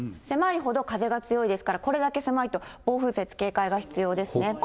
狭いほど風が強いですから、これだけ狭いと、暴風雪、警戒が必要ですね。